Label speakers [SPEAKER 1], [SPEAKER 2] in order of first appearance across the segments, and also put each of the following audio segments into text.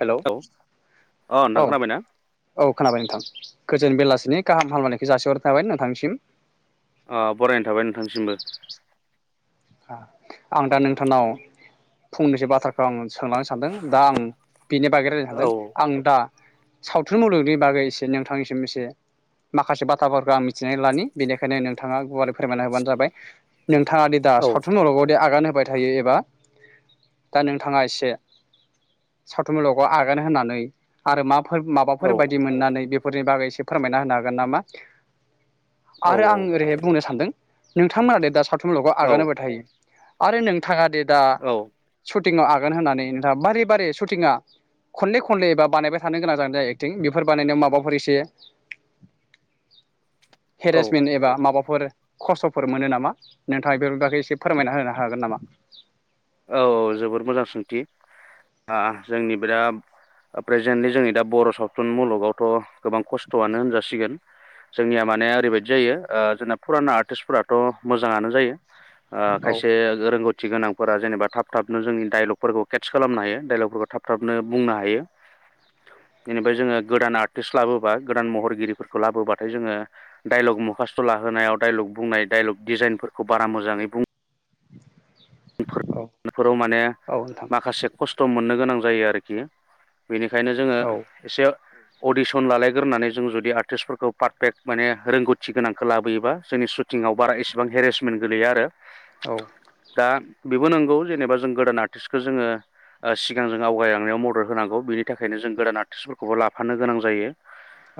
[SPEAKER 1] Hello
[SPEAKER 2] औ अ
[SPEAKER 1] औ
[SPEAKER 2] नोंथां खोनाबायना
[SPEAKER 1] औ खोनाबाय नोंथां। गोजोन बेलासिनि गाहाम हामलायनायखौ जासिहरथाबाय नोंथांनिसिम।
[SPEAKER 2] अ बरायनाय थाबाय नोंथांसिमबो।
[SPEAKER 1] आं दा नोंथांनाव फंनैसो बाथ्राखौ आं सोंलांनो सानदों दा आं बेनि बागै रायजायनो सानदों
[SPEAKER 2] औ
[SPEAKER 1] आं दा सावथुन मुलुगनि बागै एसे नोंथांनिसिम एसे माखासे बाथ्राफोरखौ आं मिथिनानै लानि बेनिखायनो नोंथाङा गुवार फोरमायना होबानो जाबाय नोंथाङा दि दा
[SPEAKER 2] औ
[SPEAKER 1] सावथुन मुलुगाव दे आगान होबाय थायो एबा दा नोंथाङा एसे सावथुन मुलुगखौ आगान होननानै आरो मा फोर
[SPEAKER 2] औ
[SPEAKER 1] माबाफोर बायदि मोननानै बे फोरनि बागै एसे फोरमायना होनो हागोन नामा?
[SPEAKER 2] औ
[SPEAKER 1] आरो आं ओरैहाय बुंनो सानदों। नोंथांमोना दे दा साथ थुन मुलुगाव
[SPEAKER 2] औ
[SPEAKER 1] आगान होबाद आरो नोंथाङा देद दा
[SPEAKER 2] औ
[SPEAKER 1] सुद टिंङाव आगान होनानै नोंथाङा बारे बारे शुटिंआ खनले खनले एबा बानायबाय थानो गोनां जागोना जाया एक्टिं बेफोर बानायनायाव माबाफोर एसे
[SPEAKER 2] औ
[SPEAKER 1] हेरेसमेन्ट एबा माबाफ फोर खस्थ'फोर मोनो नामा नोंथाङा एफोर बागै एस से फोरमायना होनो हागोन नामा?
[SPEAKER 2] औ जोबोर मोजां सोंथि आ जोंनि बेरा प्रेजेन्टलि जोंनि दा बर' सावथुन मुलुगावथ' गोबां खस्थ'आनो होनजासिगोन जोंनिया माने ओरैबायदि जायो ओ जोंना फुराना आर्टिस्टफोराथ' मोजाङानो जायो। ओ
[SPEAKER 1] औ
[SPEAKER 2] खायसे रोंगौ गथ थिगोनाव फोरा जेनेबा थाब थाबनो जोंनि दाइलगफोरखौ केटस खालामनो हायो दाइलगफोरखौ थाब थाबनो बुंनो हायो जेनेबा जोङो गोदान आर्टिस्ट लाबोबा गोदान महरगिरिफोरखौ लाबोबाथाय जोङो डाइलग मखास्थ' लाहोनायाव डायलग बुंनाय डाइलग डिजाइनफोरखौ बारा मोजाङै बुं
[SPEAKER 1] औ
[SPEAKER 2] फोराव माने
[SPEAKER 1] औ नोंथां
[SPEAKER 2] माखासे खस्थ' मोनोग गोनां जायो आरोखि। बेनिखायनो जोङो
[SPEAKER 1] औ
[SPEAKER 2] एसे। अडिसन लालायग्रोनानै जों जुदि आर्टिस्टफोरखौ पारफेक्ट माने रोंगौथि गोनांखो लाबोयोबा जोंनि सुटिंआव बारा एसेबां हेरेसमेन्ट गोलैयो आरो।
[SPEAKER 1] औ।
[SPEAKER 2] दा बिब बो नोंगौ जेनेबा जों गोदान आर्टिस्टखौ जोङो ओ सिगां जों आवगायलांनायाव मदद होनांगौ बिनि थाखायनो जों गोदान आर्टिस्टफोरखौबो लाफानो गोनां जायो।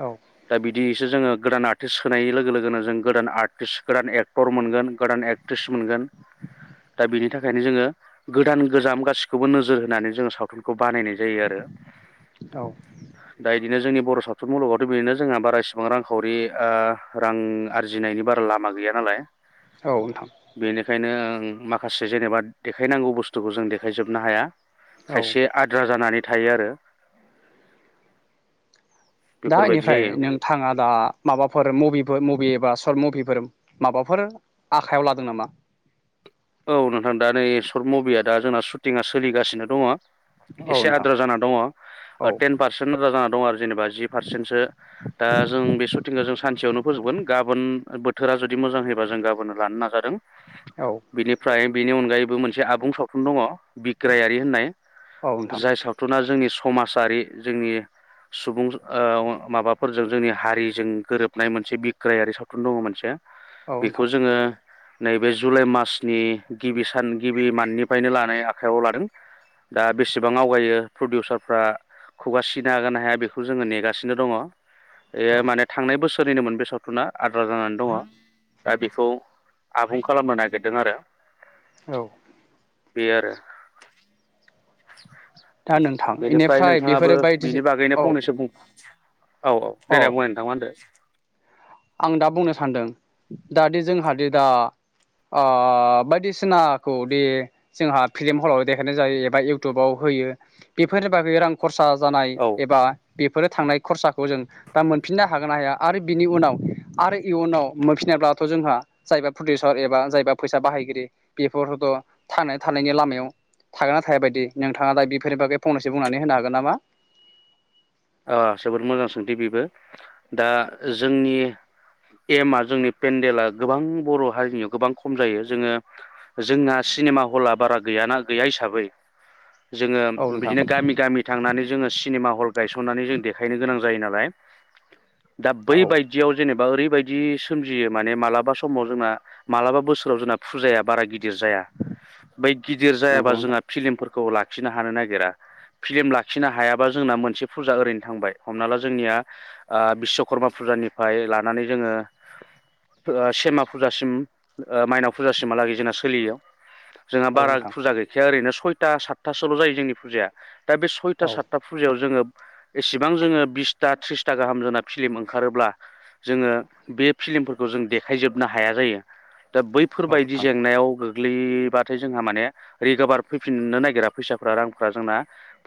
[SPEAKER 1] औ
[SPEAKER 2] दा बिदि। सो जोंङो गोदान आरटिस सोनायनि लोगो लोगोनो जोंद गोदान आरटिस गोदान एक्टर मोन गोदान एकट्रिस मोनगोन दा बिन थाखायनो जोङो गोदान गोजाम गासिखौबो नोजोर होनानै जोङो सावथुनखौब बानायनाय जायो आरो
[SPEAKER 1] औ
[SPEAKER 2] दा यिदिनो जोंनिब बर' सावथुन मुलुगावथ' बेनो जोंहा बारा इसेबां रांखावरि रां आरजिनायनि बारा लामा गैया नालाय।
[SPEAKER 1] औ नोंथां।
[SPEAKER 2] खायनो ओं माखास जेनबा देखायनांगौ बुस्थुखौ जों देखायजोबनो हाया।
[SPEAKER 1] औ
[SPEAKER 2] खायसे आद्रा जानानैथ थायो आरो।
[SPEAKER 1] दा
[SPEAKER 2] बेफोरबायदि
[SPEAKER 1] इनिफ्राय
[SPEAKER 2] जायो
[SPEAKER 1] नों थाङा दा माबाफोर मुभिफोर मुभिफ बा सर्ट मुभिफोर माबाफोर आखायाव लादों नामा।
[SPEAKER 2] औ नोंथां दा नै सशर्ट मुभिया दा जोंना शुटिंआ सलिगासिनो दङ।
[SPEAKER 1] औ
[SPEAKER 2] एसे
[SPEAKER 1] नोंथां
[SPEAKER 2] आद्रा जाना दङ
[SPEAKER 1] औ
[SPEAKER 2] ओ टेन पारसेन्ट आद्रा जाना द दं आरो जेनेबा जि पारसेन्टसो दा जों बे सुटिंखो जों सानसेयावनो फोजोबगोन गाबोन बोथोरा जुदि मोजां होयोबा जों गाबोन लानो नाजादों।
[SPEAKER 1] औ
[SPEAKER 2] निफ्राय बेनि अनगायैबो मोनसे आबुं सावथुन दङ। बिग्रायारि होननाय
[SPEAKER 1] औ नोंथां
[SPEAKER 2] जाय सावथुना जोंनिस समाजारि जोंनि सुबुं ओ माबाफोरजों जोंनि हारिजों गोरोबनाय मोनसे बिग्रायारि सावथुन दङ मोनसे।
[SPEAKER 1] औ नोंथां
[SPEAKER 2] बेखौ जोङो। नैबे जुलाइ मास नि गिबि सान गिबि माननिफ्रायनो लानाय आखायाव लादों दा बेसेबां आवगायो प्रडिउसारफ्रा खुगा सिनो हागोन ना हाया बेखौ जोङो नेगासिनो दङ।
[SPEAKER 1] औ
[SPEAKER 2] बे माने थांनाय बोसोर सोरोलिनोमोन बे सावथुना आद्रा जानानै दङ दा बेखौ आबुं खालामनो नागिरदों नागिरदों आरो
[SPEAKER 1] औ
[SPEAKER 2] बे आरो
[SPEAKER 1] दा नोंथां
[SPEAKER 2] बेनिफ्राय
[SPEAKER 1] बेफोरो
[SPEAKER 2] नोंथाङाबो
[SPEAKER 1] बायदि
[SPEAKER 2] बिनि बागैनो
[SPEAKER 1] औ
[SPEAKER 2] फंनैसो बुं? औ औ
[SPEAKER 1] अ
[SPEAKER 2] देनाय बुंनाय नोंथां मा होनदों?
[SPEAKER 1] आं दा बुंनो सानदों दा दि जोंहादि दा ओ बायदिसिनाखौ दि जोंहा फिल्म हलाव देखायनाय जायो एबा इउटुबाव होयो बेफोरनि बागै रांखौ खरसा जानाय
[SPEAKER 2] औ
[SPEAKER 1] एबा फोरो थांनाय खरसाखौ जों दा मोनफिननो हागोन ना हाया आरो बिनि उनाव आरो इयुनाव मोनफिनायब्लाथ' जोंहा जायबा प्रदिउसार एबा जायबा फैसा बाहायगिरि बेफोरथ' थांनानै थानायनि लामायाव थागोना थाया बायदि नोंथाङा दा बेफोरनि बागै फंनैसो बुंनानै होनो हागोन नामा?
[SPEAKER 2] ओ जोबोद मोजां सोंथि बेबो दा जोंनि एमआ जोंनि पेन्देला गोबां बर' हारिनियाव गोबां खम जायो जोङो जोंना सिनेमा हला बारा गैयाना गैया हिसाबै जोङो
[SPEAKER 1] औ नोंथां
[SPEAKER 2] बिदिनो गामि गामि थांनानै जोङो सिनेमा हल गायसननानै जों देखायनो गोनां जायो नालाय दा बै
[SPEAKER 1] औ
[SPEAKER 2] बायदियाव जेनेबा ओरै बेबायदि सोमजियो माने मालाबा समाव जोंना मालाबा बोसोराव जोंना फुजाया बारा गिदिर गिदिर जाया बै गिदिर
[SPEAKER 1] नंगौ
[SPEAKER 2] जायाबा
[SPEAKER 1] नोंथां
[SPEAKER 2] जोंहा फिल्म खौ लाखिनो हानो नागिरा फिल्म लाखिनो हायाबा जोंना मोनसे फुजा ओरैनो थांबाय हमना ला जोंनिया बिस्वकर्मा फुजानिफ्राय लानानै जोङो ओ सेमा फुजासिम माइनाव फुजासिमहालागै जोंना सोलियोय जोंहा
[SPEAKER 1] औ
[SPEAKER 2] बारा
[SPEAKER 1] नोंथां
[SPEAKER 2] फुरजा गैखाया ओरैनो सयथा सातथासोल' जायो जोंनि फुजाया दा बे सयथा
[SPEAKER 1] औ
[SPEAKER 2] सातथा फुजायाव जोङो एसेबां जोङो बिसथा थ्रिसथा गाहाम जाना फिलि्म ओंखारोब्ला जोङो बे फिलि्मफोरखौ जों देखायजोबनो हाया जायो। दा
[SPEAKER 1] औ
[SPEAKER 2] बैफोरबायदि
[SPEAKER 1] नोंथां
[SPEAKER 2] जेंनायाव गोग्लैबाथाय जोंहा माने रिकभार फैफिननो नागिरा फैसाफ्रा रांफ्रा जोंना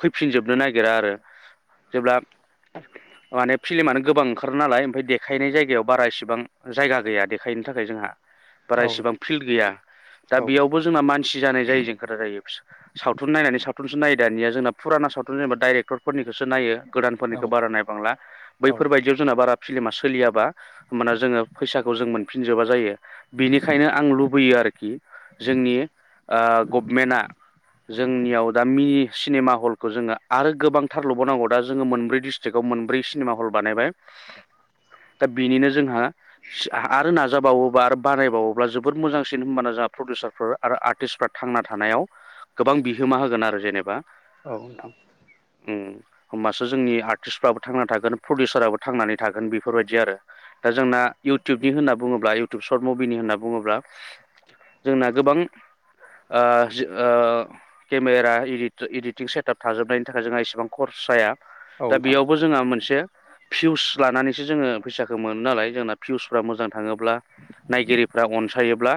[SPEAKER 2] फैफिनजोबनो नागिरा आरो। जेब्ला माने फिल्मानो गोबां ओंखारो नालाय ओमफ्राय देखायनाय जायगायाव बारा एसेबां जायगा गैया देखायनो थाखाय जोंहा। बारा
[SPEAKER 1] औ
[SPEAKER 2] एसेबां फिल्ड गैया दा
[SPEAKER 1] औ
[SPEAKER 2] बेयावबो जोंना मानसि जानाय जायो जों खोथा जायो सावथुन नायनानै सावथुन सावथुनखौसो नायो दानिया जोंना फुराना सावथुन डाइरेक्टरफोरनि बेखौसो नायो गोदानफोरनिखौ बारा नायबांला
[SPEAKER 1] औ
[SPEAKER 2] बैफोरबायदियाव जोंना बारा फिल्मा सोलियाबा माने जोङो फैसाखौ जों मोनफिनजोबा जायो बिनिखायनो आं लुबैयो आरोखि ओ जोंनि गभमेन्टआ जोंनियाव दा मिनि सिनेमा हलखौ जोङो आरो गोबां थारल' लुबावनांगौ दा जोङो मोनब्रै डिस्ट्रिक्आव मोनब्रै सिनेमा हल बानायबाय दा बिनिनो जोंहा आरो नाजाबावो बार बानायबावोब्ला जोबोर मोजांसिन होमबाना जोहा प्रडिउसारफोर आरो आर्टिस्टफ्रा थांना थानायाव गोबां बिहोमा होगोन आरो जेनेबा।
[SPEAKER 1] औ नोंथां।
[SPEAKER 2] ओं होमबासो जोंनि आर्टिस्फ्राबो थांना थागोन प्रडिउसाराबो थांनानै थागोन बेफोरबायदि आरो दा जोंना इउटुबनि होनना बुङोब्ला इउटुब सर्ट मुभिनि होनना बुङोब्ला जोंना गोबां ओ जि ओ केमेरा इदिट इदिटिं सेनटार थाजोबनायनि थाखाय जों एसे बां खरसाया
[SPEAKER 1] औ
[SPEAKER 2] दा
[SPEAKER 1] नोंथां
[SPEAKER 2] बेयावबो जोंहा मोनसे। फिउस लानानैसो जोङो फैसाखो मोनो नालाय जोंना फिउसफ्रा मोजां थाङोब्ला नायगिरिफ्रा अनसायोब्ला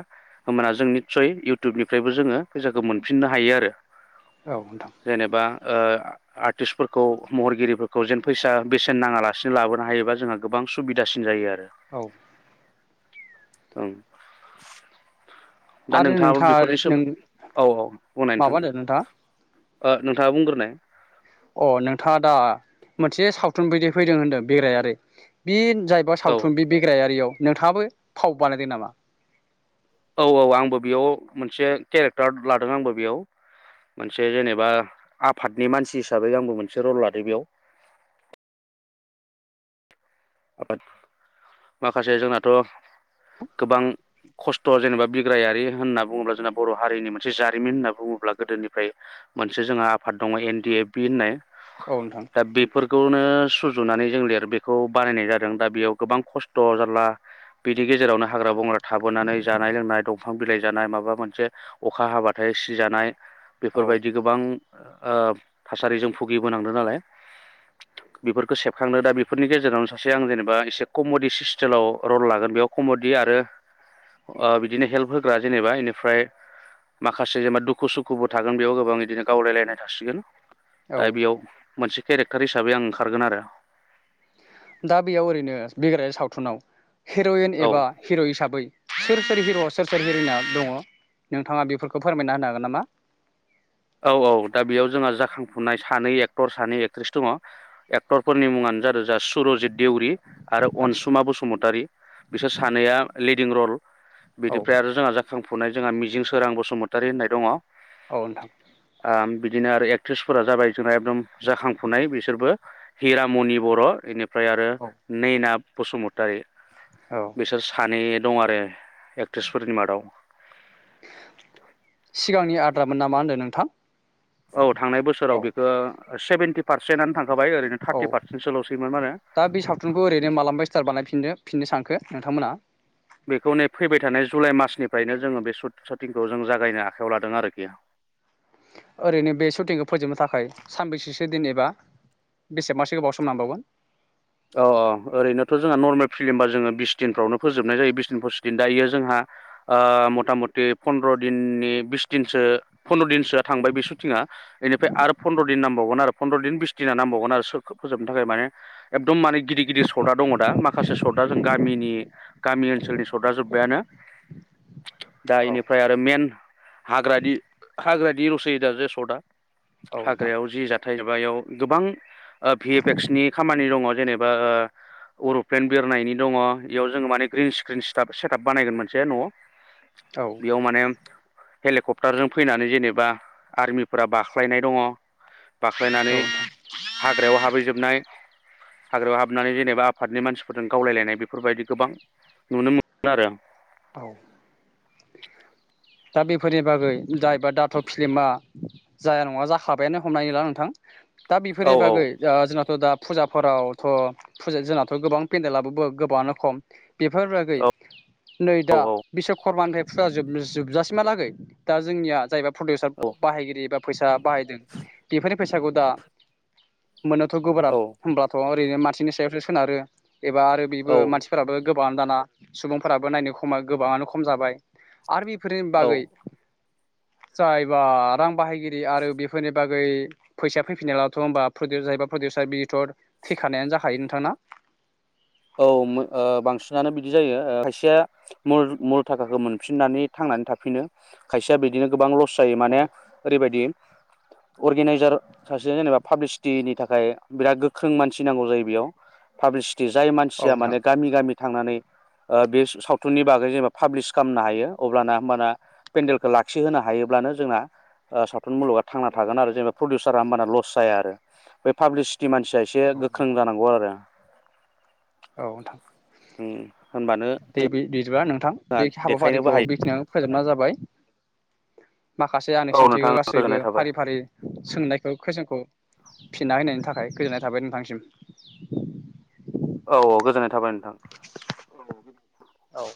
[SPEAKER 2] होमबाना जों निस्सय इउटुबनिफ्रायबो जोङो फैसाखौ मोनफिननो हायो आरो।
[SPEAKER 1] औ नोंथां।
[SPEAKER 2] जेनेबा ओ आर्टिस्टफोरखौ महरगिरिफोरखौ जेन फैसा बेसेन नाङालासिनो लाबोनो हायोबा जोंहा गोबां सुबिदासिन जायो आरो
[SPEAKER 1] औ।
[SPEAKER 2] ओं। दा
[SPEAKER 1] आरो
[SPEAKER 2] नोंथाङाबो
[SPEAKER 1] नोंथाङा
[SPEAKER 2] बेफोरनि
[SPEAKER 1] नों
[SPEAKER 2] सोमोन औ औ बुंनाय नोंथां।
[SPEAKER 1] माबा होनदों नोंथाङा
[SPEAKER 2] ओ नोंथाङा बुंग्रोनाय।
[SPEAKER 1] अ नोंथाङा दा। मोनसे सावथुन बायदि फैदों होनदों बेग्रायारि बि जाहैबा
[SPEAKER 2] औ
[SPEAKER 1] सावथुन बि बिग्रायारियाव नोंथाङाबो फाव बानायदों नामा?
[SPEAKER 2] औ औ आंबो बेयाव मोनसे केरेक्टार लादों आंबो बेयाव मोनसे जेनेबा आफादनि मानसि हिसाबै आंबो मोनसे रल लादों बेयाव। आफाद माखासे जोंनाथ' गोबां खस्थ' जेनेबा बिग्रायारि होनना बुङोब्ला जोंना बर' हारिनि मोनसे जारिमिन होनना बुङोब्ला गोदोनिफ्राय मोनसे जोंहा आफाद दङ एन डि एफ बि होननाय।
[SPEAKER 1] औ नोंथां
[SPEAKER 2] दा बेफोरखौनो नो सुजुनानै जों लिर बेखौ बानायनाय जादों दा बेयाव गोबां खस्थ' जारला बिनि गेजेरावनो हाग्रा बंग्रा थाबोनानै जानाय लोंनाय दंफां बिलाइ जानाय माबा मोनसे अखा हाबाथाय सिजानाय।
[SPEAKER 1] औ
[SPEAKER 2] बेफोरबायदि गोबां। ओ थासारिजों फुगिबोनांदों नालाय बेफोरखो सेबखांदों दा बेफोरनि गेजेरावनो माखासे आं जेनेबा एसे कमेडि सिस्टेलाव रल लागोन बेयाव कमेडि आरो ओ बिदिनो हेल्प होग्रा जेनेबा बेनिफ्राय माखासे जेनेबा दुखु सुखुबो थागोन बेयाव गोबां बिदिनो गावलायलायनाय थासिगोन। दा
[SPEAKER 1] औ
[SPEAKER 2] बेयाव मोनसे केरेक्टार हिसाबै आं ओंखारगोन आरो।
[SPEAKER 1] दा बेयाव ओरैनो बिग्रायारि सावथुनाव। हिर'यन
[SPEAKER 2] औ
[SPEAKER 1] एबा हिर' हिसाबै सोर सोर हिर' सोर सोर हिर'इना दङ नोंथाङा बेफोरखौ फोरमायना होनो हागोन नामा?
[SPEAKER 2] औ औ दा बेयाव जोंहा जाखांफुनाय सानै एक्टर सानै एक्ट्रिस दङ एक्टरफोरनि मुङानो जादों जा सुरजित देउरि। आरो
[SPEAKER 1] आदसा
[SPEAKER 2] अनसुमा बसुमतारि बिसोर सानैया लिद दिं रल।
[SPEAKER 1] औ
[SPEAKER 2] बिनिफ्राय आरो जोंहा जाखां फुनाय जोंहा मिजिं सोरां बसुमतारि होननाय दङ।
[SPEAKER 1] औ नोंथां।
[SPEAKER 2] बिदिनो आरो एक्ट्रिसफोरा जाबाय जोंना एकदम जाखांफुनाय बिसोरबो हिरामनि बर इनि फ्राय आरो
[SPEAKER 1] औ
[SPEAKER 2] नैना बसुमतारी
[SPEAKER 1] औ
[SPEAKER 2] बिसोर सानै दं आरो एक्ट्रिसफोरनि मादाव
[SPEAKER 1] सिगांनि आद्रामोन नामा होनदों नोंथां
[SPEAKER 2] औ थांनाय बोसोराव
[SPEAKER 1] औ
[SPEAKER 2] बेखौ सेभेन्टि पारसेन्टानो थां
[SPEAKER 1] औ दा बे सावथुनखौ ओरैनो मालाबा स्टार बानायफिननो फिननो सानखो नोंथांमोना?
[SPEAKER 2] बेखौ नै फैबाय थानाय जुलाइ मार्सनिफ्रायनो जोङो बे सुट सटिंखौ जों जागायनो आखायाव लादों आरोखि।
[SPEAKER 1] ओरैनो बे सुटिंखौ फोजोबनो थाखाय सानबैसेसो दिन एबा बेसेबांसो गोबाव सम नांबावगोन?
[SPEAKER 2] अ अ ओरैनोथ' जोंहा नर्मेल फिल्मबा जोङो बिस दिनफ्रावनो फोजोबनाय जायो बिस दिन फसिस दिन दा इयो जोंहा ओ मटा मटि फन्द्र दिननि बिस दिनसो फन्द्र दिनसोआ थांबाय बे सुटिंआ। इनिफ्राय आरो फन्द्र दिन नांबावगोन आरो फन्द्र दिन बिस दिना नांबावगोन आरो सोरखो फोजोबनो थाखाय माने एकदम माने गिदिर गिदिर सदआ दङ दा, माखासे सदआ जों गामिनि गामि ओनसोलनि सदआ जोबबायानो । दा
[SPEAKER 1] औ
[SPEAKER 2] इनिफ्राय आरो मेइन हाग्रादि हाग्रादि लसै दा जे सदआ।
[SPEAKER 1] औ नोंथां
[SPEAKER 2] हाग्रायाव जि जाथाय एबायाव गोबां ओ भि एफ एक्सनि खामा नि दङ जेनेबा ओ उरुप्लेन बिरनायनि दङ इयाव जोङो माने ग्रिन स्क्रिन सिटाप सेटाप बानायगोन मोनसे न'
[SPEAKER 1] औ
[SPEAKER 2] बेयाव माने हेलिकप्टारजों फैनानै जेनेबा आर्मिफोरा बाख्लायनाय दङ बाख्लायनानै
[SPEAKER 1] नोंथां
[SPEAKER 2] हाग्रायाव हाबहैजोबनाय हाग्रायाव हाबनानै जेनेबा आफादनि मानसिफोरजों गावलायलायनाय बेफोरबायदि गोबां नुनो मोनो आरो
[SPEAKER 1] औ दा बेफोरनि बागै जायबा दाथ' फिलिमा जाया नङा जाखाबायानो हमनानै ला नोंथां, दा
[SPEAKER 2] औ
[SPEAKER 1] बेफोरनि
[SPEAKER 2] औ
[SPEAKER 1] बागै ओ जोंहाथ' दा फुजाफोरावथ' फुजा जोंनाथ' गोबां पेन्देलाबो बो गोबाङानो खम बिफोरबागै
[SPEAKER 2] औ
[SPEAKER 1] नै दा
[SPEAKER 2] औ औ
[SPEAKER 1] बिसग करमानिफाय फुजा जोबनो जोब जासिमहालागै दा जोंनिया जायबा प्रडिउसार बाहायगिरि एबाब फैसा बाहायदों बेफोरनि फैसागु दा मोननोथ' गोब्राब
[SPEAKER 2] औ
[SPEAKER 1] होमब्लाथ' ओरैनो मानसिनि सायावसो सोनारो एबा आरो बेबो
[SPEAKER 2] औ
[SPEAKER 1] मानसिफोराबो गोब गोबाङानो दाना सुबुंफोराबो नायनो खमा गोबाङानो खम जाबाय आरो बे फोरनि बागै
[SPEAKER 2] औ
[SPEAKER 1] जायबा रां बाहायगिरि आरो बेफोरनि बागै फैसा फैफिनायावलाथ' होमबा फोदेर जायोबा प्रदिउसार बेथर थैखानायानो जाखायो नोंथां ना?
[SPEAKER 2] औ मो ओ बांसिनानो बिदि जायो ओ खायसेया मुर मुल थाखाखो मोनफिननानै थांनानै थाफिनो, खायसेया बिदिनो गोबां लस लस जायो
[SPEAKER 1] औ
[SPEAKER 2] माने ओरैबायदि अर्गेनाइजार सासे जेनेबा पाब्लिसिटिनि थाखाय बिराद गोख्रों मानसि नांगौ जायो बेयाव पाब्लिसिटि, जाय
[SPEAKER 1] औ
[SPEAKER 2] मानसिया
[SPEAKER 1] नोंथां
[SPEAKER 2] माने गामि-गामि थांनानै ओ बे सावथुननि बागै जेनेबा पाब्लिस खालामनो हायो अब्लाना होमबाना पेडेलखौ लाखिहोनो हायोब्लानो जोंना सावथुन मुलुगा थांना थागोन आरो जेनेबा प्रडिउसारा होमबाना लस जाया आरो बे पाब्लिस मानसिया एसे गोख्रों जानांगौ आरो।
[SPEAKER 1] औ नोंथां।
[SPEAKER 2] उम होनबानो
[SPEAKER 1] दे बि बिदिबा नोंथां बे
[SPEAKER 2] देखायनोबो
[SPEAKER 1] हाबाफारिखौ
[SPEAKER 2] हायो
[SPEAKER 1] बेखिनियानो फोजोबनाय जाबाय, माखासे आंनि
[SPEAKER 2] औ
[SPEAKER 1] सोंथिखौ
[SPEAKER 2] नोंथां
[SPEAKER 1] गासैबो
[SPEAKER 2] गोजोननाय थाबाय
[SPEAKER 1] फारि-फारि सोंनायखौ खुयसनखौ फिननाय होनायनि थाखाय गोजोननाय थाबाय नोंथांनिसिम।
[SPEAKER 2] औ औ गोजोननाय थाबाय नोंथां।
[SPEAKER 1] औ औ